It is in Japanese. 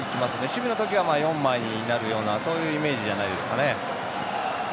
守備のときは４枚になるようなそういうイメージじゃないですかね。